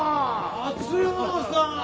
松山さん！